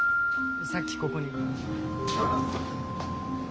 さっきここに。